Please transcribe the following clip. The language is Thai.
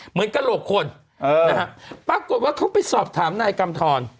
เหมือนกะโหลกคนปรากฏว่าเขาไปสอบถามนายกรรมธรณ์